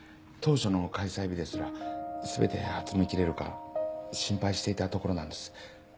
当初の開催日ですら全て集めきれるか心配していたところなんです。